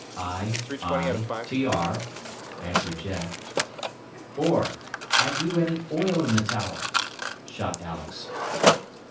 "I, I, TR," answered Jack. "OR, have you any oil in the tower?" shot Alex.